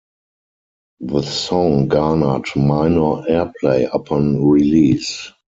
The song garnered minor airplay upon release.